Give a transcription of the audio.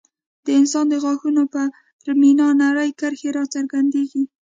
د انسان د غاښونو پر مینا نرۍ کرښې راڅرګندېږي.